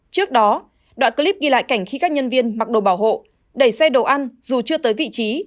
trước đó đoạn clip ghi lại cảnh khi các nhân viên mặc đồ bảo hộ đẩy xe đồ ăn dù chưa tới vị trí